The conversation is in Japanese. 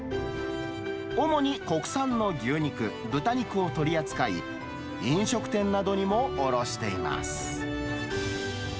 主に国産の牛肉、豚肉を取り扱い、飲食店などにも卸しています。